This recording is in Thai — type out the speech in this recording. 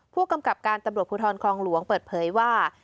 ผู้กำกับการตำรวจภูทรคลองหลวงเปิดเผยว่า